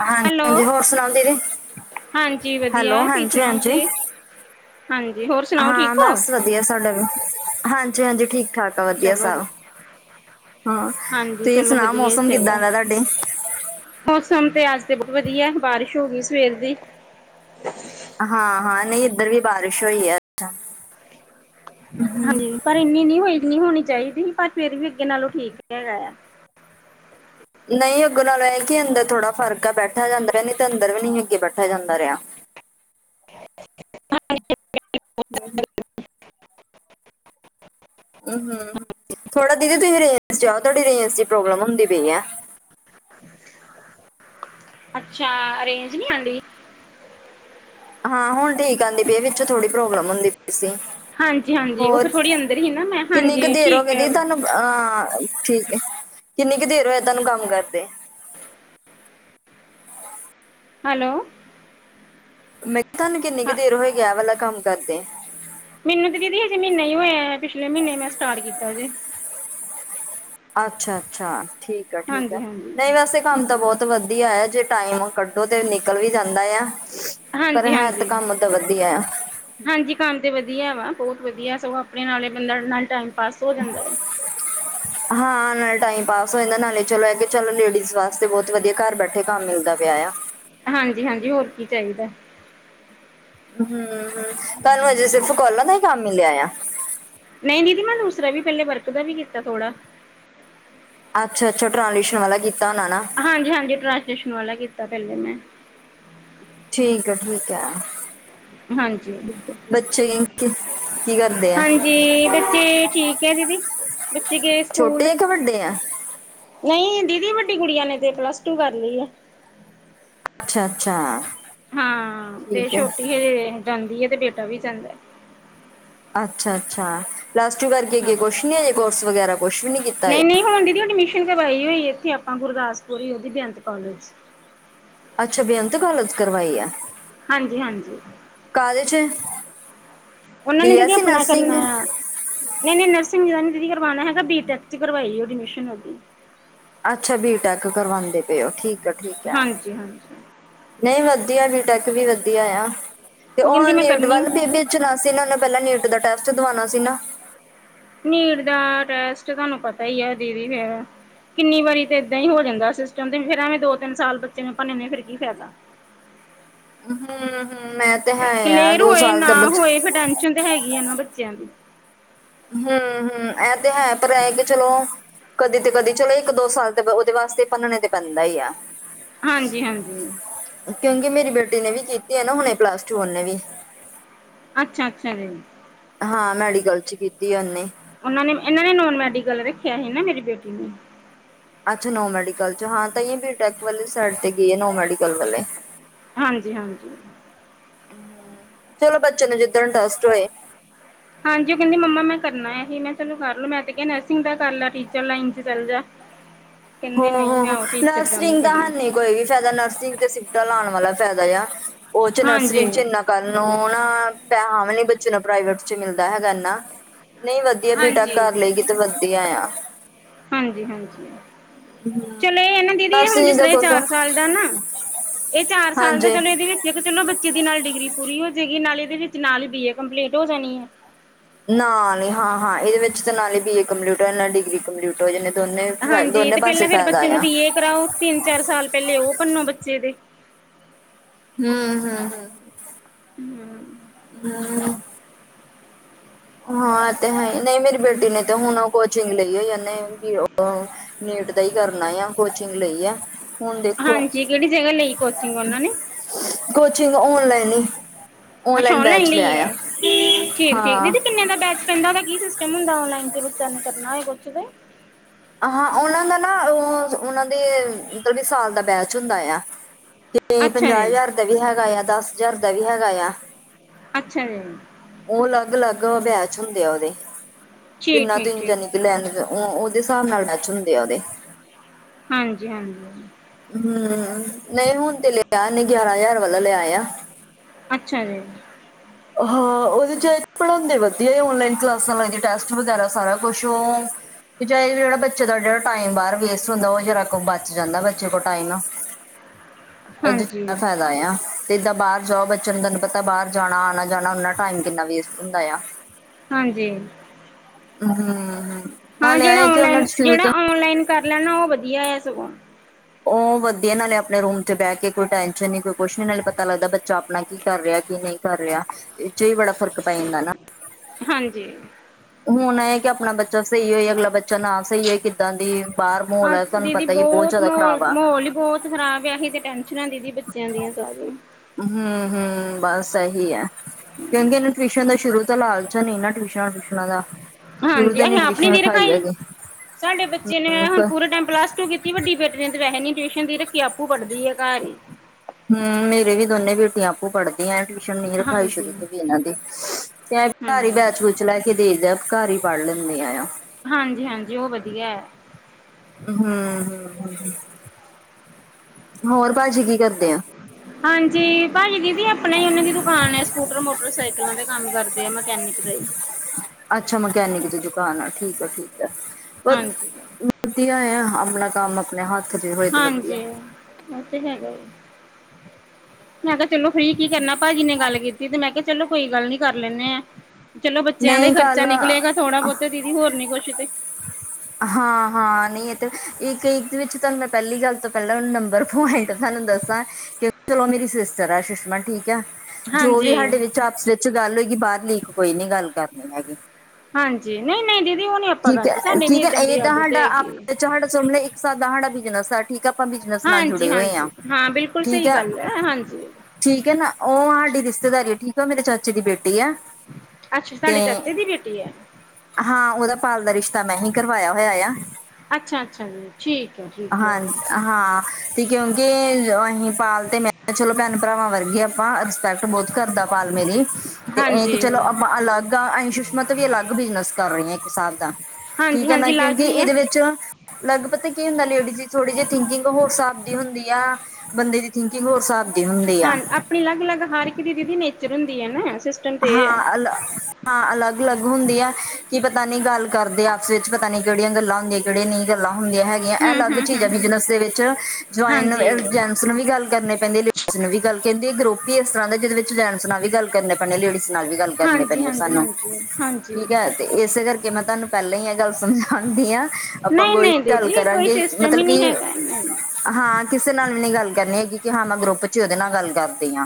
ਹਾਂਜੀ ਹਾਂਜੀ ਹੋਰ ਸੁਣਾਓ ਦੀਦੀ ਹਾਂਜੀ ਹੈਲੋ ਵਧੀਆ ਤੁਸੀਂ ਹਾਂਜੀ ਸੁਣਾਓ ਹਾਂਜੀ ਜੀ ਹਾਂਜੀ ਹੋਰ ਸੁਣਾਓ ਹਾਂ ਠੀਕ ਓ ਬਸ ਵਧੀਆ ਸਾਡਾ ਹਾਂਜੀ ਹਾਂਜੀ ਠੀਕ ਠਾਕ ਵਧੀਆ ਚਲੋ ਸਭ, ਹਾਂ ਹਾਂਜੀ ਤੁਸੀਂ ਚਲੋ ਸੁਣਾਓ ਵਧੀਆ ਮੌਸਮ ਕਿੱਦਾਂ ਚਾਹੀਦਾ ਦਾ ਤੁਹਾਡੇ। ਮੌਸਮ ਤੇ ਅੱਜ ਤੇ ਬਹੁਤ ਵਧੀਆ ਬਾਰਿਸ਼ ਹੋ ਗਈ ਸਵੇਰ ਦੀ। ਹਾਂ -ਹਾਂ ਨਹੀਂ ਇੱਧਰ ਵੀ ਬਾਰਿਸ਼ ਹੋਈ ਆ ਅੱਛਾ। ਹਾਂਜੀ ਪਰ ਇੰਨੀ ਨੀ ਹੋਈ ਜਿੰਨੀ ਹੋਣੀ ਚਾਹੀਦੀ ਸੀ ਪਰ ਫਿਰ ਵੀ ਅੱਗੇ ਨਾਲੋਂ ਠੀਕ ਹੈਗਾ ਆ। ਨਹੀਂ ਅੱਗੋਂ ਨਾਲੋਂ ਇਹ ਕਿ ਅੰਦਰ ਥੋੜਾ ਫਰਕ ਆ ਬੈਠਾ ਜਾਂਦਾ ਰਿਹਾ ਨੀ ਤੇ ਅੰਦਰ ਵੀ ਨਹੀਂ ਅੱਗੇ ਬੈਠਿਆ ਜਾਂਦਾ ਰਿਹਾ। [unintelligible] ਵਾਹਿਗੁਰੂ। [inaudible] ਹੂੰ- ਹੂੰ ਥੋੜਾ ਦੀਦੀ ਤੁਸੀਂ ਰੇਂਜ ਚ ਜਾਓ ਤੁਹਾਡੀ ਰੇਂਜ ਚ ਪ੍ਰੋਬਲਮ ਹੁੰਦੀ ਪਈ ਆ ਅੱਛਾ ਆ ਰੇਂਜ ਨਹੀਂ ਆਦੀ ਹਾਂ ਹੁਣ ਠੀਕ ਆਉਂਦੀ ਪਈ ਵਿੱਚੋਂ ਥੋੜੀ ਪ੍ਰੋਬਲਮ ਹੁੰਦੀ ਪਈ ਸੀ। ਹਾਂਜੀ-ਹਾਂਜੀ ਉਹ ਹੋਰ ਫਿਰ ਥੋੜੀ ਅੰਦਰ ਹੀ ਨਾ ਮੈਂ ਹਾਂਜੀ ਠੀਕ ਐ। ਆਹ ਠੀਕ ਹੈ ਕਿੰਨੀ ਕੁ ਦੇਰ ਹੋਏ ਤੁਹਾਨੂੰ ਕੰਮ ਕਰਦੇ ਆ। ਹੈਲੋ ਮੈਂ ਕਿਹਾ ਤੁਹਾਨੂੰ ਕਿੰਨੀ ਕੁ ਹਾਂ ਦੇਰ ਹੋਈ ਇਹ ਵਾਲਾ ਕੰਮ ਕਰਦੇ ਮੈਨੂੰ ਤੇ ਦੀਦੀ ਹਜੇ ਮਹੀਨਾ ਹੀ ਹੋਇਆ ਪਿਛਲੇ ਮਹੀਨੇ ਮੈਂ ਸਟਾਰਟ ਕੀਤਾ ਜੇ। ਅੱਛਾ -ਅੱਛਾ, ਠੀਕ ਆ-ਠੀਕ ਹਾਂਜੀ ਆ ਹਾਂਜੀ ਨਹੀਂ ਵੈਸੇ ਕੰਮ ਤਾਂ ਬਹੁਤ ਵਧੀਆ ਐ ਜੇ ਟਾਈਮ ਕੱਢੋ ਤੇ ਨਿਕਲ ਵੀ ਜਾਂਦਾ ਆ। ਪਰ ਹਾਂਜੀ ਹੈ ਤਾਂ -ਹਾਂਜੀ। ਕੰਮ ਤਾਂ ਵਧੀਆ ਆ ਹਾਂਜੀ ਕੰਮ ਤੇ ਵਧੀਆ ਵਾ ਬਹੁਤ ਵਧੀਆ ਸਗੋਂ ਆਪਣੇ ਨਾਲੇ ਬੰਦਾ ਨਾਲੇ ਟਾਈਮ ਪਾਸ ਹੋ ਜਾਂਦਾ ਆ। [inaudible] ਹਾਂ ਨਾਲੇ ਟਾਈਮ ਪਾਸ ਹੋ ਜਾਂਦਾ ਨਾਲੇ ਚਲੋ ਹੈਗੇ ਚਲੋ ਲੇਡੀਜ਼ ਵਾਸਤੇ ਬਹੁਤ ਵਧੀਆ ਘਰ ਬੈਠੇ ਕੰਮ ਮਿਲਦਾ ਪਿਆ ਆ। ਹਾਂਜੀ- ਹਾਂਜੀ ਹੋਰ ਕੀ ਚਾਹੀਦਾ। ਹੂੰ-ਹੂੰ ਤੁਹਾਨੂੰ ਹਜੇ ਸਿਰਫ਼ ਕੋਲਾ ਦਾ ਹੀ ਕੰਮ ਮਿਲਿਆ ਆ। ਨਹੀਂ ਦੀਦੀ ਮੈਂ ਦੂਸਰਾ ਵੀ ਪਹਿਲੇ ਵਰਕ ਦਾ ਵੀ ਕੀਤਾ ਥੋੜਾ। ਅੱਛਾ -ਅੱਛਾ ਟਰਾਂਲੇਸ਼ਨ ਵਾਲਾ ਕੀਤਾ ਹੋਣਾ ਨਾ ਹਾਂਜੀ- ਹਾਂਜੀ ਟਰਾਂਸਜੇਸ਼ਨ ਵਾਲਾ ਕੀਤਾ ਪਹਿਲੇ ਮੈਂ ਠੀਕ ਹੈ -ਠੀਕ ਹੈ ਠੀਕ ਹੈ ਬੱਚੇ ਕੀ ਕਰਦੇ ਆ ਹਾਂਜੀ ਬੱਚੇ ਠੀਕ ਐ ਦੀਦੀ। ਬੱਚੇ ਗਏ ਸਕੂਲ। ਛੋਟੇ ਆ ਕਿ ਵੱਡੇ ਆ ਨਹੀਂ ਦੀਦੀ ਵੱਡੀ ਕੁੜੀਆਂ ਨੇ ਤੇ ਪਲੱਸ ਟੂ ਕਰ ਲਈ ਐ। ਅੱਛਾ -ਅੱਛਾ। ਹਾਂ ਤੇ ਠੀਕ ਹੈ ਛੋਟੀ ਹਜੇ ਜਾਂਦੀ ਹੈ ਤੇ ਬੇਟਾ ਵੀ ਜਾਂਦਾ। ਅੱਛਾ ਅੱਛਾ ਪਲੱਸ ਟੂ ਕਰਕੇ ਅੱਗੇ ਕੁਛ ਨੀ ਅਜੇ ਕੋਰਸ ਵਗੈਰਾ ਕੁਛ ਵੀ ਨੀ ਕੀ ਨਹੀਂ ਨਹੀਂ ਹੁਣ ਦੀਦੀ ਐਡਮਿਸ਼ਨ ਕਰਵਾਈ ਹੋਈ ਇੱਥੇ ਆਪਾਂ ਗੁਰਦਾਸਪੁਰ ਹੀ ਉਹਦੀ ਬੇਅੰਤ ਕੋਲਜ ਚ ਅੱਛਾ ਬੇਅੰਤ ਕੋਲਜ ਕਰਵਾਈ ਆ ਹਾਂਜੀ ਹਾਂਜੀ। ਕਾਹਦੇ ਚ ਉਹਨਾਂ ਨੇ ਦੀਦੀ ਬੀਐਸਸੀ ਆਪਣਾ ਨਰਸਿੰਗ ਕਰਨਾ ਆ ਨਹੀਂ ਨਹੀਂ ਨਰਸਿੰਗ ਦਾ ਦੀਦੀ ਕਰਵਾਉਣਾ ਹੈਗਾ ਬੀਟੈਕ ਚ ਕਰਵਾਈ ਐਡਮਿਸ਼ਨ ਉਹਦੀ ਅੱਛਾ ਬੀਟੈਕ ਕਰਵਾਂਦੇ ਪਏ ਹੋ ਠੀਕ ਹੈ ਠੀਕ ਹੈ। ਹਾਂਜੀ ਹਾਂਜੀ ਨਹੀਂ ਵਧੀਆ ਬੀਟੈਕ ਵੀ ਵਧੀਆ ਆ ਤੇ ਉਹ ਕਹਿੰਦੀ ਮੈਂ ਨੀਟ ਕਰਨੀ ਵਾਲਾ ਪ ਪੁੱਛਣਾ ਸੀ ਨਾ ਇੰਨੇ ਪਹਿਲਾਂ ਨੀਟ ਦਾ ਟੈਸਟ ਦਵਾਉਣਾ ਸੀ ਨਾ ਮੀਰ ਦਾ ਟੈਸਟ ਤੁਹਾਨੂੰ ਪਤਾ ਈ ਏ ਦੀਦੀ ਫੇ਼ਰ ਕਿੰਨੀ ਵਾਰੀ ਤੇ ਏਦਾਂ ਹੀ ਹੋ ਜਾਂਦਾ ਸਿਸਟਮ ਤੇ ਫਿਰ ਐਵੇ ਦੋ-ਤਿੰਨ ਸਾਲ ਬੱਚੇ ਨੀ ਪੜ੍ਹਦੇ ਫਿਰ ਕੀ ਫਾਇਦਾ? ਹੁੰ, ਹੁੰ ਮੇਸ। ਕਲੇਅਰ ਹੋਏ ਨਾ ਹੋਏ ਫ਼ਿਰ ਟੈਨਸ਼ਨ ਤੇ ਹੈਗੀ ਆ ਨਾ ਬੱਚਿਆਂ ਨੂੰ। ਹੁੰ, ਹੁੰ ਇਹ ਤੇ ਹੈ ਪਰ ਇਹ ਤੇ ਚਲੋ ਕਦੀ ਤੇ ਕਦੀ ਚਲੋ ਇੱਕ-ਦੋ ਸਾਲ ਦੇ ਓਦੇ ਵਾਸਤੇ ਭੰਨਣੇ ਤੇ ਪੈਂਦਾ ਈ ਆ। ਹਾਂਜੀ-ਹਾਂਜੀ‌। ਕਿਉਂਕਿ ਮੇਰੀ ਬੇਟੀ ਨੇ ਵੀ ਕੀਤੀ ਹੈ ਨਾ ਹੁਣੇ ਪਲੱਸ ਟੂ ਓਣੇ ਵੀ ਅੱਛਾ-ਅੱਛਾ ਜੀ। ਹਾਂ ਮੈਡੀਕਲ ਚ ਕੀਤੀ ਆ ਓਨੇ। ਉਹਨਾਂ ਨੇ, ਇਹਨਾਂ ਨੇ ਨਾਨ-ਮੈਡੀਕਲ ਰੱਖਿਆਂ ਏ ਨਾ ਮੇਰੀ ਬੇਟੀ ਨੇ। ਅੱਛਾ ਨੋ ਮੈਡੀਕਲ ਚ ਹਾਂ ਤਾਂ ਇਹ ਬੀ ਟੈੱਕ ਵਾਲੇ ਸਾਈਡ ਤੇ ਗਈ ਏ ਨੋ ਮੈਡੀਕਲ ਵਾਲੇ। ਹਾਂਜੀ-ਹਾਂਜੀ। ਹੁੰ, ਚਲੋ ਬੱਚੇ ਦੇ ਜਿੱਧਨ ਟੈਸਟ ਹੋਏ। ਹਾਂਜੀ ਓ ਕਹਿੰਦੀ ਮੰਮਾ ਮੈਂ ਕਰਨਾ ਇਹੀ ਮੈਂ ਚਲੋ ਕਰ ਲਓ ਮੈਂ ਤੇ ਕਿਹਾ ਨਰਸਿੰਗ ਦਾ ਕਰ ਲਾ ਟੀਚਰ ਲਾਈਨ ਚ ਚੱਲ ਜਾ। ਹਾਂ ਕੈਂਦੀ ਨਈ ਹਾਂ ਮੈਂ ਹਾਂ ਓਹ ਟੀਚਰ ਦਾ ਨੀ ਨਰਸਰਿੰਗ ਕਰਨਾ। ਹੈਨੀ ਕੋਈ ਵੀ ਫਾਇਦਾ ਨਰਸਿੰਗ ਤੇ ਸੀਟਾਂ ਲਾਣ ਵਾਲਾ ਫਾਇਦਾ ਆ, ਓਹ ਚ ਹਾਂਜੀ। ਨਰਸਿੰਗ ਚ ਇੰਨਾ ਕਾਲ ਨੂੰ ਓਣਾ ਪੀਹਾ ਵਾਲੇ ਬੱਚੇ ਨੂੰ ਪ੍ਰਾਈਵੇਟ ਚ ਮਿਲਦਾ ਹੈਗਾ ਇਨਾਂ। ਨਈ ਵਦੀਆਂ ਬੀ ਟੈੱਕ ਹਾਂਜੀ। ਘਰ ਲਈ ਗੀ ਤੇ ਵਦੀਆਂ ਆ। ਹਾਂਜੀ-ਹਾਂਜੀ। ਚਲੋ ਏ ਇਹ ਨਾ ਦੀਦੀ ਹੁਣ ਨਰਸਰੀ ਜਿਸ ਦਾ ਤਰ੍ਹਾਂ ਇਹ ਕੁਛ ਚਾਰ ਸਾਲ ਦਾ ਨਾ ਇਹ ਚਾਰ ਸਾਲ ਦੇ ਹਾਂਜੀ ਚਲੋ ਇਹ ਦੇ ਵਿਕ ਜੇਕਰ ਤਿੰਨੋਂ ਬੱਚੇ ਦੀ ਨਾਲ ਡਿਗਰੀ ਪੂਰੀ ਹੋ ਜਾਏਗੀ ਨਾਲੇ ਇਹਦੇ ਵਿੱਚ ਨਾਲ ਹੀ ਬੀ ਏ ਕੰਪਲੀਟ ਹੋ ਜਾਣੀ ਏ। ਨਾ ਨੀ, ਹਾਂ, ਹਾਂ ਇਹਦੇ ਵਿੱਚ ਤੇ ਨਾਲ ਬੀ ਏ ਕਮਯੁਟ ਨਾਲੇ ਡਿਗਰੀ ਕਮਯੁਟ ਦੋ ਜਣੇ ਦੋਂਨੇਂ, ਫ ਹਾਂਜੀ ਦੋਂਨੇਂ ਤੇ ਪਹਿਲਾਂ ਪਾਸੇ ਫੇਰ ਸ਼ਾਇਦ ਬੱਚੇ ਨੂੰ ਆਈਆਂ। ਬੀ ਏ ਕਰਾਓ ਤਿੰਨ-ਚਾਰ ਸਾਲ ਪੈਲੇ ਓ ਕਰਨਾ ਬੱਚੇ ਦੇ ਹੁੰ, ਹੁੰ, ਹੁੰ। ਹੁੰ, ਹੁੰ। [unintelligible] ਹਾਂ ਤੇ ਹੈ, ਨਈ ਮੇਰੀ ਬੇਟੀ ਨੇ ਤੇ ਹੁਣ ਓ ਕੋਚਿੰਗ ਲਈ ਏ ਯਾਨੇ, ਬੀ ਓ ਤੋ। ਮੀਤ ਦਾ ਈ ਕਰਨਾ ਆ ਕੋਚਿੰਗ ਲਈ ਆ। ਹੁਣ ਦੇਖੋ ਹਾਂਜੀ ਕਿਹੜੀ ਜਗ੍ਹਾ ਲਈ ਕੋਚਿੰਗ ਓਨਾ ਨੇ ਕੋਚਿੰਗ ਔਨਲਾਈਨ ਈ। ਅੱਛਾ ਔਨਲਾਈਨ ਲੀ ਏ ਠੀਕ-ਠੀਕ ਹਾਂ ਦੀਦੀ ਕਿੰਨੇ ਦਾ ਬੈਚ ਪੈਂਦਾ ਵਾ? ਕੀ ਸਿਸਟਮ ਹੁੰਦਾ ਔਨਲਾਈਨ ਤੇ ਬੱਚਿਆਂ ਨੇ ਕਰਨਾ ਏ ਕੁਝ ਤੇ? ਹਾਂ ਓਨਾਂ ਦਾ ਨਾ ਓਹ ਉਨਾਂ ਦੇ ਮਤਲਬ ਵੀ ਸਾਲ ਦਾ ਬੈਚ ਹੁੰਦਾ ਆ। [inaudible] ਤੇ ਪੰਜਾਹ ਜੀ ਹਜ਼ਾਰ ਦਾ ਵੀ ਹੈਗਾ ਆ, ਦਸ ਹਜ਼ਾਰ ਦਾ ਵੀ ਹੈਗਾ ਆ। ਅੱਛਾ ਜੀ। ਓ ਅਲੱਗ-ਅਲੱਗ ਬੈਚ ਹੁੰਦੇ ਆ ਓਦੇ, ਠੀਕ ਜਿੰਨਾ ਠੀਕ ਤੂੰ ਠੀਕ ਜਨੀ ਕਿ ਮੈਂ ਓਹ ਓਹਦੇ ਹਿਸਾਬ ਨਾਲ ਮੈਚ ਹੁੰਦੇ ਆ ਓਹਦੇ। ਹਾਂਜੀ-ਹਾਂਜੀ। ਹੂੰ, ਨਈ ਹੁਣ ਤੇ ਲਿਆ ਨੀ ਗਯਾ, ਗਿਆਰਾ ਹਾਜ਼ਰ ਵਾਲਾ ਲੈ ਆਈਆਂ। ਅੱਛਾ ਜੀ। ਹਾਂ। ਓਦੇ 'ਚ ਪੜੋਂਦੇ ਵਧੀਆ ਔਨਲਾਈਨ ਕਲਾਸਾਂ ਲਗਦੀਆ, ਟੈਸਟ ਵਗੈਰਾ ਸਾਰਾ ਕੁਛ ਓ ਜੇੜਾ ਬੱਚੇ ਦਾ ਜਾ ਟਾਈਮ ਬਾਰ ਵੇਸਟ ਹੁੰਦੈ, ਓ ਯਰਾ ਕੋ ਬਚ ਜਾਂਦਾ। ਬੱਚੇ ਕੋਲ ਟਾਈਮ [inaudible] ਏਦੇ ਹਾਂਜੀ ਚ ਫਾਇਦਾ ਆ, ਤੇ ਏਦਾਂ ਬਾਰ ਜਾਓ ਬੱਚੇ ਨੂੰ ਤੈਨੂੰ ਪਤਾ ਬਾਰ ਜਾਣਾ-ਆਣਾ ਜਾਣਾ ਓਨਾ ਟਾਈਮ ਕਿੰਨਾ ਵੇਸਟ ਹੁੰਦਾਯਾ। ਹਾਂਜੀ। ਹੂੰ-ਹੂੰ। ਹਾਂ, ਜੇੜਾ ਔਨਲਾਈਨ ਜੇੜਾ ਔਨਲਾਈਨ ਕਰ ਲੇਆ ਨਾ ਓ ਵਧੀਆ ਐ ਸਗੋਂ। ਓ ਵਧੀਆ ਨਾਲੇ ਅਪਨੇ ਰੂਮ ਚ ਬੈਕੇ ਕੋਈ ਟੈਂਨਸ਼ਨ ਨੀ ਕੋਈ ਕੁਛ ਨਈ ਨਾਲੇ ਪਤਾ ਲੱਗਦੈ ਬੱਚਾ ਆਪਣਾ ਕੀ ਕਰ ਰੇਆ ਕੀ ਨਈ ਕਰ ਰੇਆ ਏਚੋਂ ਚ ਬੜਾ ਫਰਕ ਪੈ ਜਾਂਦਾ ਨਾ। ਹਾਂਜੀ। ਹੁਨ ਐ ਕਿ ਅਪਨਾ ਬੱਚਾ ਸਈ ਏ ਅਗਲਾ ਬੱਚਾ ਬੱਚਾ ਨਾ ਸਈ ਹੋਏ ਕਿੱਦਾਂ ਦੀ ਬਾਰ ਮੋਲ ਐ ਤੁਆਨੂੰ ਪਤਾ ਈ ਆ, ਬੋਤ ਜਾਦਾ ਖਰਾਬ ਆ। ਮੋਲ ਈ ਬੋਤ ਖਰਾਬ ਆ ਐਹੀ ਤੇ ਟੈਨਸ਼ਨਾਂ ਦੀਦੀ ਬੱਚੇਆਂ ਦੀਆਂ ਸਾਰੀਆਂ। ਹੂੰ-ਹੂੰ, ਬਸ ਐਹੀ ਐ। ਕਿਉਂਕਿ ਏਨੂੰ ਟਿਊਸ਼ਨ ਦਾ ਸ਼ੁਰੂ ਤਾਂ ਲਾਲਚ ਨੀ ਨਾ ਟਿਊਸ਼ਨਾਂ-ਟਊਸ਼ਨਾਂ ਦਾ। ਸ਼ੁਰੂ ਹਾਂਜੀ, ਤੋਂ ਅਸੀ ਆਪ ਟਿਊਸ਼ਨ ਨੀ ਰਖਾਈ। ਹੈਗੀ ਸਾਡੇ ਬੱਚੇ ਹਮ ਨੇ ਹੁਣ ਹਮ ਪੂਰਾ ਟਾਈਮ ਪਲਾਸ ਟੂ ਕੀਤੀ ਵੱਡੀ ਬੇਟੀ ਨੇ, ਤੇ ਵੈਹੇ ਨੀ ਟਿਊਸ਼ਨ ਦੀ ਰੱਖੀ ਆਪੂ ਪੜ੍ਹਦੀ ਆ ਘਰ ਈ। ਹੂੰ, ਮੇਰੇ ਵੀ ਦੋਨੇ ਬੇਟੀਆਂ ਆਪੂ ਪੜ੍ਹਦੀਆਂ ਟਿਊਸ਼ਨ ਨਹੀਂ ਰਖਾਈ ਹਾਂਜੀ। ਸ਼ੁਰੂ ਤੋਂ ਵੀ ਏਨਾਂ ਦੀ। ਤੇਂ ਘਰ ਹੀ ਹੂੰ, ਬੈਚ-ਬੂਚ ਲੈ ਕੇ ਦੇਦੇਆ, ਘਰ ਈ ਪੜ੍ਹ ਲੈਂਦੀਆ ਆ। ਹਾਂਜੀ-ਹਾਂਜੀ, ਓ ਵਦੀਐ। ਹੂੰ-ਹੂੰ-ਹੂੰ, ਹੋਰ ਭਾਜੀ ਕੀ ਕਰਦੇ ਆ? ਹਾਂਜੀ, ਭਾਜੀ ਵੀ ਅਪਨਾ ਈ ਓਨਾਂ ਦੀ ਦੁਕਾਨ ਆ। ਸਕੂਟਰ ਮੋਟਰਸਾਈਕਲਾਂ ਦੇ ਕੰਮ ਕਰਦੇ ਆ ਮਕੈਨਿਕ ਦਾ ਈ। ਅੱਛਾ ਮਕੈਨਿਕ ਦੀ ਦੁਕਾਨ ਆ ਠੀਕੈ-ਠੀਕੈ। ਹਾਂਜੀ, ਵਦੀਆ ਐ ਅਪਨਾ ਕੰਮ। ਆਪਣੇ ਹੱਥ ਚ ਹੋਏ ਤੇ ਵਧੀਆ ਹਾਂਜੀ, ਓ ਤੇ ਹੈਗਾ ਈ। ਮੈਂ ਕੇਆ ਚਲੋ ਫ੍ਰੀ ਕੀ ਕਰਨਾ, ਭਾਜੀ ਨੇ ਗੱਲ ਕੀਤੀ ਤੇ ਮੈਂ ਕੇਆ ਚਲੋ ਕੋਈ ਗੱਲ ਨੀ ਕਰ ਲੈਂਨੇਆ। ਚਲੋ ਬੱਚੇਆਂ ਦਾ ਨਹੀਂ ਈ ਗੱਲ ਖਰਚਾ ਨਿਕਲੇਗਾ ਥੋੜਾ ਬੋਤੇ ਦੀਦੀ ਹੋਰ ਨੀ ਕੁਛ ਤੇ। ਹਾਂ-ਹਾਂ, ਨਈਂ ਏਤੇ ਇੱਕ ਇੱਕ ਵਿੱਚ ਤੁਆਨੂੰ ਮੈਂ ਪੈਲੀ ਗੱਲ ਤੋਂ ਪੈਲਾਂ ਓਨੂੰ ਨੰਬਰ ਪਵਾਏ ਥਾਨੂੰ ਦੱਸਾਂ ਕਿ ਚਲੋ ਮੇਰੀ ਸਿਸਟਰ ਆ ਸੁਸ਼ਮਾ ਠੀਕ ਆ, ਜੋ ਵੀ ਹਾਂਜੀ। ਹਾਡੇ ਵਿੱਚ ਆਪਸ ਗੱਲ ਹੋਏਗੀ, ਬਾਰ ਲੀਕ ਕੋਈ ਨੀ ਗੱਲ ਕਰਨੀ ਹੈਗੀ। ਹਾਂਜੀ ਨਈਂ-ਨਈਂ ਦੀਦੀ ਓਨੀ ਅ ਠੀਕੈ-ਠੀਕੈ ਏਤਾਂ ਹਾਡਾ ਆਪ ਤੁਆਡੇ ਸਮਾਣੇ ਇੱਕ ਸਾਲ ਦਾ ਸਾਡਾ ਬਿਜਨਸ ਐ। ਠੀਕ ਆ ਆਪਾ ਬਿਜਨਸ ਨਾਲ ਜੁੜੇ ਹੋਏ ਆ, ਹਾਂਜੀ-ਹਾਂਜੀ ਹਾਂ ਬਿਲਕੁਲ ਸਹੀ ਠੀਕੈ। ਗੱਲ ਹੈ ਹਾਂਜੀ। ਠੀਕ ਆ ਨਾ, ਓ ਸਾਡੀ ਰਿਸ਼ਤੇਦਾਰੀ ਆ ਠੀਕ ਆ, ਓ ਮੇਰੇ ਚਾਚੇ ਦੀ ਬੇਟੀ ਐ। ਅੱਛਾ ਤੇ ਸਾਡੇ ਚਾਚੇ ਦੀ ਬੇਟੀ ਹੈ ਹਾਂ, ਓਦਾ ਪਾਲ ਦਾ ਰਿਸ਼ਤਾ ਮੈਂ ਹੀ ਕਰਵਾਇਆ ਹੋਆਯਾ, ਅੱਛਾ-ਅੱਛਾ ਜੀ ਠੀਕ ਹੈ ਠੀਕ ਹੈ। ਹਾਂਜੀ। ਹਾਂ ਤੇ ਕਿਉਂਕਿ ਅਹੀ ਪਾਲ ਤੇ ਮੈਂ ਚਲੋ, ਭੈਣ-ਭਰਾਵਾਂ ਵਰਗੇ ਆਪਾਂ ਰਿਸਪੈਕਟ ਬੋਤ ਕਰਦਾ ਪਾਲ ਮੇਰੀ। ਤੇ ਇਹ ਹਾਂਜੀ। ਕਿ ਚਲੋ ਆਪਾਂ ਅਲੱਗ ਆ। ਅਸੀਂ ਸੁਸ਼ਮਾਂ ਤੋਵੀ ਅਲੱਗ ਬਿਜਨਸ ਕਰ ਰੇਆ ਇੱਕ ਹਿਸਾਬ ਦਾ। ਠੀਕੈ ਨਾ ਅਲੱਗ ਕਿਉਂਕਿ ਹੀ ਆ ਈਦੇ ਵਿੱਚ ਲਗਭਗ ਤੇ ਕੀ ਹੁੰਦਾ ਲੇਡੀਜ ਦੀ ਥੋੜੀ ਜੇਈ ਥਿਕਿੰਗ ਹੋਰ ਸਾਬ ਦੀ ਹੁੰਦੀ ਆ ਬੰਦੇ ਦੀ ਥਿਕਿੰਗ ਹੋਰ ਹਿਸਾਬ ਦੀ ਹੁੰਦੀ ਆ। ਹਾਂ ਆਪਣੀ ਅਲੱਗ-ਅਲੱਗ ਹਰ ਇੱਕ ਦੀ ਜਿਹਦੀ ਨੇਚਰ ਹੁੰਦੀ ਆ ਨਾ ਸਿਸਟਮ ਤੇ ਇਹ ਹੈ। ਹਾਂ ਅਲ ਹਾਂ ਅਲੱਗ-ਅਲੱਗ ਹੁੰਦੀ ਆ ਕੀ ਪਤਾ ਨੀ ਗੱਲ ਕਰਦੇ ਆਪਸ ਵਿੱਚ ਪਤਾ ਨੀ ਕਿਹੜੀਆਂ ਗੱਲਾਂ ਹੁੰਦੀਆਂ, ਕਿਹੜੀਆਂ ਨਹੀਂ ਗੱਲਾਂ ਹੁੰਦੀਆਂ ਹੈਗੀਆਂ, ਐ ਅਲੱਗ ਚੀਜ਼ ਹੂੰ-ਹੂੰ-ਹੂੰ-ਹੂੰ-ਹੂੰ ਬਿਜਨਸ ਦੇ ਵਿੱਚ ਜੁਇਨ ਜੈਟਸ ਨੂੰ ਵੀ ਗੱਲ ਕਰਨੀ ਪੈਂਦੀ ਆ, ਲੇਡੀਸ ਨੂੰ ਵੀ ਗੱਲ ਕਹਿਦੇ ਗਰੁਪ ਹੀ ਇਸ ਤਰ੍ਹਾਂ ਦੇ ਜਿਹਦੇ ਵਿੱਚ ਜੈਂਟਸ ਨਾਲ ਵੀ ਗੱਲ ਕਰਨੀ। ਆਪਣੇ ਲੇਡੀਜ਼ ਨਾਲ ਵੀ ਗੱਲ ਕਰਨੀ ਪੈਣੀ ਆ ਸਾਨੂੰ ਹਾਂਜੀ-ਹਾਂਜੀ-ਹਾਂਜੀ-ਹਾਂਜੀ-ਹਾਂਜੀ। ਠੀਕ ਏ। ਤੇ ਇਸੇ ਕਰਕੇ ਮੈਂ ਤੁਹਾਨੂੰ ਪਹਿਲਾਂ ਹੀ ਇਹ ਗੱਲ ਸਮ ਹਾਂਦੀ ਹਾਂ। ਆਪਾਂ ਕੋਈ ਨਹੀਂ-ਨਹੀਂ ਗੱਲ ਦੀਦੀ ਕੋਈ ਕਰਾਂਗੇ ਸਿਸਟਮ ਹੀ ਮਤਲਬ ਨਹੀਂ ਕਿ ਹੈਗਾ ਨਹੀਂ। ਹਾਂ। ਕਿਸੇ ਨਾਲ ਵੀ ਨਹੀ ਗੱਲ ਕਰਨੀ ਹੈਗੀ ਕਿ ਹਾਂ, ਮੈਂ ਗਰੁੱਪ ਚ ਉਹਦੇ ਨਾਲ ਗੱਲ ਕਰਦੀ ਆ।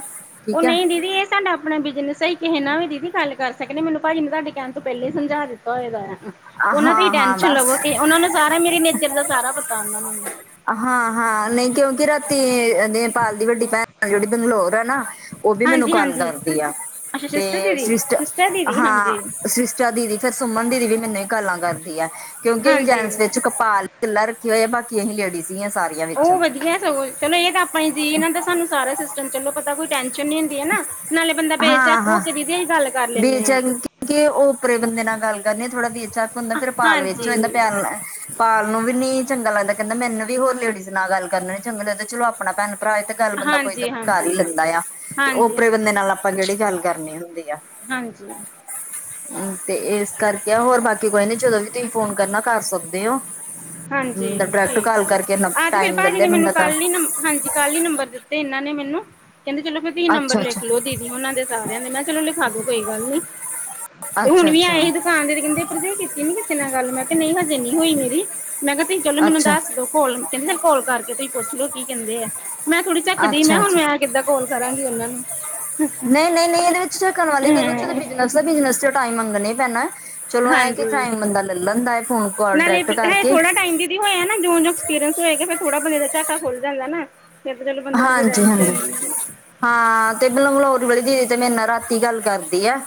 ਓ ਨਹੀਂ ਦੀਦੀ ਇ ਤੁਹਾਡਾ ਆਪਣਾ ਬਿਜਨਸ ਸਹੀ ਕਿਸੇ ਨਾ ਵੀ ਦੀਦੀ ਗੱਲ ਕਰ ਸਕਦੇ ਆ, ਮੈਨੂੰ ਭਾਜੀ ਨੇ ਤਾਡੇ ਕਹਿਣ ਤੋਂ ਪਹਿਲੇ ਹੀ ਸਮਝਾ ਦਿੱਤਾ ਹੋਏ ਦਾ। ਉਹਨਾਂ ਦੀ ਹੀ ਹਾਂ-ਹਾਂ ਟੈਨਸ਼ਨ ਬਸ ਲਵੋ, ਕਿ ਉਹਨਾਂ ਨੂੰ ਸਾਰਾ ਮੇਰੇ ਨੇਚਰ ਦਾ ਸਾਰਾ ਪਤਾ ਉਹਨਾਂ ਨੂੰ। ਹਾਂ -ਹਾਂ ਨਹੀਂ ਕਿਉਂਕਿ ਰਾਤੀ ਨੇਪਾਲ ਦੀ ਵੱਡੀ ਭੈਣ ਜਿਹੜੀ ਬੰਗਲੋਰ ਆ ਨਾ ਉਹ ਵੀ ਮੈਨੂੰ ਹਾਂਜੀ ਗੱਲ ਹਾਂਜੀ ਕਰਦੀ ਆ। ਅੱਛਾ ਤੇ ਸਿਸਟਰ ਦੀਦੀ ਸ੍ਰਿਸ਼ਟ ਸਿਸਟਰ ਦੀਦੀ ਹਾਂ, ਹਾਂਜੀ ਸ੍ਰਿਸ਼ਟ ਦੀਦੀ, ਫਿਰ ਸੁਮਨ ਦੀਦੀ ਵੀ ਮੈਨੂੰ ਗੱਲਾਂ ਕਰਦੀ ਏ, ਕਿਉਂਕਿ ਅਸੀਂ ਹਾਂਜੀ ਜੈਂਟਸ ਵਿੱਚ ਕਪਾਲ ਕਿਲਾ ਰੱਖੀ ਹੋਏ ਆ, ਬਾਕੀ ਅਸੀ ਲੇਡੀਜ਼ ਹੀ ਆ ਸਾਰੀਆਂ। ਵਿੱਚ ਉਹ ਵਧੀਆ ਸਗੋਂ, ਚਲੋ, ਇਹ ਤਾਂ ਆਪਾਂ ਹੀ ਜੀਅ ਇਹਨਾਂ ਦਾ ਸਾਨੂੰ ਸਾਰਾ ਸਿਸਟਮ ਚਲੋ ਪਤਾ ਕੋਈ ਟੈਸ਼ਨ ਨੀ ਹੁੰਦੀ ਹਨਾਂ,, ਨਾਲੇ ਬੰਦਾ ਬੇਚੱਕ ਉਹ ਕਰਦੀ ਦੀਦੀ ਗੱਲ ਕਰ ਲੈਂਦੇ ਹਾਂ। ਚੰਗੇ ਕਿ ਉੱਪਰੇ ਬੰਦੇ ਨਾਲ ਗੱਲ ਕਰਨੀ, ਥੋੜਾ ਬੇ ਝਕ ਹੁੰਦਾ ਫਿਰ ਪਾਲ ਵਿੱਚ ਹੋ ਜਾਂਦਾ ਹਾਂਜੀ ਪਿਆਰ ਨਾਲ। ਪਾਲ ਨੂੰ ਵੀ ਨੀ ਚੰਗਾ ਲੱਗਦਾ, ਕਹਿੰਦਾਮੈਨੂੰ ਵੀ ਹੋਰ ਲੇਡੀਜ਼ ਨਾਲ ਗੱਲ ਕਰਨ ਚੰਗਾ ਲੱਗਦਾ, ਚਲੋ ਆਪਣਾ ਭੈਣ -ਭਰਾ ਹੋਏ ਤੇ ਗੱਲ ਬੰਦਾ ਕੋਈ ਤਾਂ ਹਾਂਜੀ ਕਰ ਹੀ ਹਾਂਜੀ ਲੈਂਦਾ ਆ। ਤੇ ਹਾਂਜੀ ਓਪਰੇ ਬੰਦੇ ਹਾਂਜੀ ਨਾਲ ਆਪਾਂ ਕਿਹੜੀ ਗੱਲ ਕਰਨੀ ਹੁੰਦੀ ਆ। ਹਾਂਜੀ ਹੂੰ ਤੇ ਇਸ ਕਰਕੇ ਹੋਰ ਬਾਕੀ ਕੋਈ ਨਹੀ, ਜਦੋਂ ਵੀ ਤੁਸੀਂ ਫੋਨ ਕਰਨਾ ਕਰ ਸਕ ਦੇ ਓ। ਹਾਂਜੀ ਠੀਕ ਏ। ਅੱਜ ਤੇ ਫਿਰ ਟਾਈਮ ਲੈ ਭਾਜੀ ਲਿਆ ਨੇ ਮੈਨੂੰ ਬੰਦਾ ਕਰ ਕੱਲ ਹੀ ਨੰ, ਹਾਂਜੀ। ਕੱਲ੍ਹ ਹੀ ਨੰਬਰ ਦਿੱਤੇ ਇਹਨਾਂ ਨੇ ਮੈਨੂੰ, ਕਹਿੰਦੇ ਚਲੋ ਫ ਦੀ ਨੰਬਰ ਅੱਛਾ ਅੱਛਾ ਲਿਖ ਲਓ ਦੀਦੀ ਉਹਨਾ ਦੇ ਸਾਰਿਆਂ ਦੇ, ਮੈਂ ਕਿਹਾ ਚਲੋ ਲਿਖਾ ਦੋ ਕੋਈ ਗੱਲ ਨੀ। ਅੱਛਾ- ਅੱਛਾ। ਦੀਦੀ ਤੇ ਕਹਿੰਦੇ ਪਰਜਾਈ ਕੀਤੀ ਨੀ ਕਿਸੇ ਨਾਲ ਗੱਲ, ਮੈਂ ਕਿਹਾ ਨਹੀਂ ਹਜੇ ਨਹੀਂ ਹੋਈ ਮੇਰੀ, ਮੈਂ ਕਿਹਾ ਤੁਸੀਂ ਚਲੋ ਮੈਨੂੰ ਅੱਛਾ ਦੱਸ ਦੋ। ਕੋਲ ਕਹਿੰਦੇ ਕੋਲ ਕਰਕੇ ਤੁਸੀਂ ਪੁੱਛ ਲਓ ਕੀ ਕਹਿੰਦੇ ਐ? ਮੈਂ ਥੋੜ੍ਹੀ ਝੱਕਦੀ, ਮੈਂ ਅੱਛਾ ਹੁਣ ਅੱਛਾ ਮੈਂ ਕਿੱਦਾਂ ਕੋਲ ਕਰਾਂਗੀ ਉਹਨਾਂ ਨੂੰ। ਨਹੀਂ, ਨਹੀਂ, ਨਹੀਂ ਇਹਦੇ ਵਿੱਚ ਝਕਣ ਵਾਲੀ ਕਹਿੰਦੇ ਚ ਉਹਦੇ ਹੂੰ ਬਿਜਨਸ ਬਿਜਨਸ ਚ ਟਾਈਮ ਮੰਗਣਾ ਹੀ ਪੈਣਾ, ਚਲੋ ਇਹ ਕਿ ਹਾਂਜੀ। ਟਾਈਮ ਬੰਦਾ ਲੈ ਲੈਂਦਾ ਫੋਨ। ਕਾਲ ਨਾਲੇ ਡਾਇਰੈਕਟ ਹੇ ਕਰਕੇ ਥੋੜਾ ਟਾਈਮ ਦੀ ਹੋਇਆ ਨਾ, ਜੋਂ -ਜੋਂ ਐਕਪੀਰੀਅਸ ਹੋਏਗਾ, ਫਿਰ ਥੋੜਾ ਬੰਦੇ ਦਾ ਝਾਕਾ ਖੁੱਲ ਜਾਂਦਾ ਨਾ। ਫੇਰ ਤਾਂ ਚਲੋ ਬੰਦੇ ਨੂੰ ਕੋਈ ਹਾਂਜੀ ਹਾਂਜੀ ਟੈਂਸ਼ਨ ਨੀ। ਹਾਂ ਤੇ ਬੰਗਲੌਰ ਵਾਲੀ ਦੀਦੀ ਤੇ ਮੇਰੇ ਨਾਲ ਰਾਤੀ ਗੱਲ ਕਰਦੀ ਆ।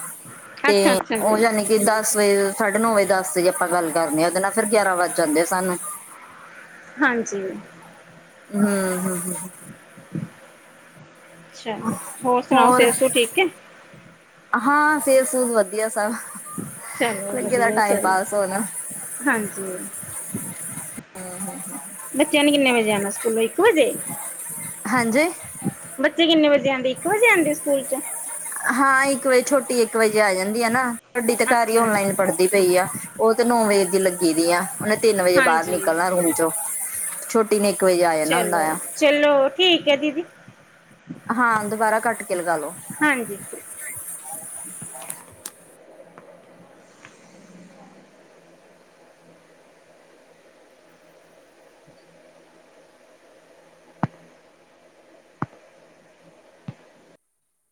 ਤੇ ਅੱਛਾ-ਅੱਛਾ ਜੀ ਉਹ ਯਾਨੀ ਕਿ ਦਸ ਵਜੇ ਸਾਢੇ ਨੌ ਵਜੇ ਦਸ ਦੇ ਜੇ ਆਪਾਂ ਗੱਲ ਕਰਨੀ ਆ ਉਹਦੇ ਨਾਲ, ਫ਼ਿਰ ਗਿਆਰਾਂ ਵੱਜ ਜਾਂਦੇ ਸਾਨੂੰ। ਹਾਂਜੀ। ਹੂੰ, ਹੂੰ, ਹੂੰ ਚਲੋ, ਹੋਰ ਸੁਣਾਓ, ਸੇਤ- ਸੁਤ ਸੁਹਤ ਠੀਕ ਏ? ਹਾਂ ਸੇਤ -ਸੂਤ ਵਧੀਆ ਸਭ, ਚਲੋ ਲੱਗੇ ਦਾ ਵਧੀਆ ਟਾਈਮ ਚਲੋ ਪਾਸ ਹੋਣ। ਹਾਂਜੀ। [inaudible] ਬੱਚਿਆਂ ਨੇ ਕਿੰਨੇ ਵਜੇ ਆਣਾ ਸਕੂਲੋਂ ਇੱਕ ਵਜੇ ਹਾਂਜੀ ਬੱਚੇ ਕਿੰਨੇ ਵਜੇ ਆਂਦੇ ਇੱਕ ਵਜੇ ਆਂਦੇ ਸਕੂਲ ਚੋਂ ਹਾਂ ਇੱਕ ਵਜੇ ਛੋਟੀ ਇੱਕ ਵਜੇ ਆ ਜਾਂਦੀ ਆ ਨਾ। ਤੇ ਵੱਡੀ ਤਾਂ ਘਰ ਹੀ ਅੱਛਾ ਔਨਲਾਈਨ ਪੜ੍ਹਦੀ ਪਈ ਆ। ਉਹ ਤੇ ਨੌ ਵਜੇ ਦੀ ਲੱਗੀ ਦੀ ਆ ਉਹਨੇ ਤਿੰਨ ਵਜੇ ਬਾਹਰ ਹਾਂਜੀ ਨਿਕਲਣਾ ਰੂਮ ਚੋਂ ਛੋਟੀ ਨੇ ਇੱਕ ਵਜੇ ਆ ਜਾਣਾ ਹੁੰਦਾ ਆ ਚਲੋ-ਚਲੋ ਠੀਕ ਐ ਦੀਦੀ ਹਾਂ ਦੁਬਾਰਾ ਕੱਟ ਕੇ ਲਗਾ ਲੋ। ਹਾਂਜੀ